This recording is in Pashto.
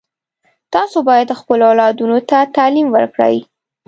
تاسو باید خپلو اولادونو ته تعلیم ورکړئ